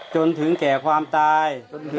จนถึงแก่ความตาย